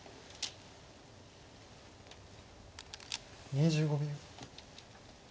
２５秒。